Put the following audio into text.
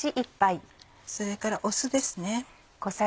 それから酢です。